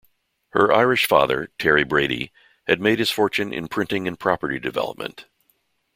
Her Irish father, Terry Brady, had made his fortune in printing and property development.